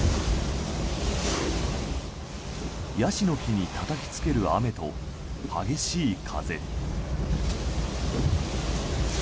ヤシの木にたたきつける雨と激しい風。